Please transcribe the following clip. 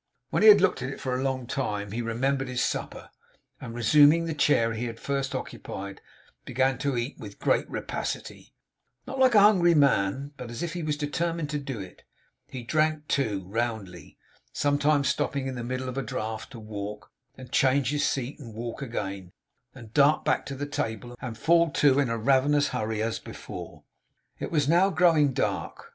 When he had looked at it for a long time, he remembered his supper; and resuming the chair he had first occupied, began to eat with great rapacity; not like a hungry man, but as if he were determined to do it. He drank too, roundly; sometimes stopping in the middle of a draught to walk, and change his seat and walk again, and dart back to the table and fall to, in a ravenous hurry, as before. It was now growing dark.